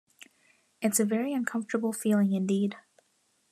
It’s a very uncomfortable feeling indeed.